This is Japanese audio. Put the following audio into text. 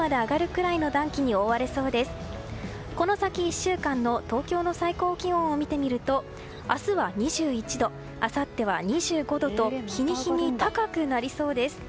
この先１週間の東京の最高気温を見てみると明日は２１度あさっては２５度と日に日に、高くなりそうです。